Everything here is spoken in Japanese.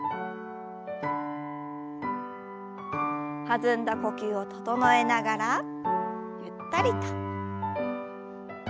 弾んだ呼吸を整えながらゆったりと。